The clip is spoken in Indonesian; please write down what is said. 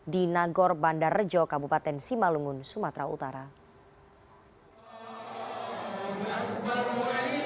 di nagor bandar rejo kabupaten simalungun sumatera utara